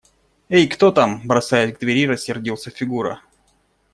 – Эй, кто там? – бросаясь к двери, рассердился Фигура.